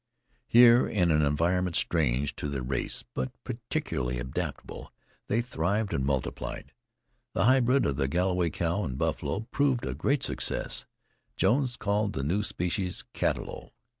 Here, in an environment strange to their race, but peculiarly adaptable, they thrived and multiplied. The hybrid of the Galloway cow and buffalo proved a great success. Jones called the new species "Cattalo."